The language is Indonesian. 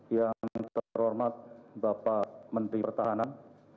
yang terhormat bapak menteri pertahanan